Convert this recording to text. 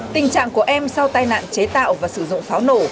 tình trạng của em sau tai nạn chế tạo và sử dụng pháo nổ